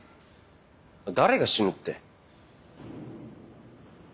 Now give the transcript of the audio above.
誰が死ぬって？